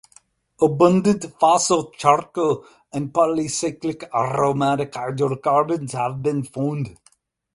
Abundant fossil charcoal and polycyclic aromatic hydrocarbons have been found.